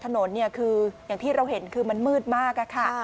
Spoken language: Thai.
ถนนเนี่ยคืออย่างที่เราเห็นคือมันมืดมากค่ะ